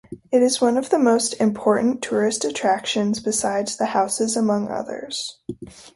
It is one of the most important tourist attractions, besides the houses, among others.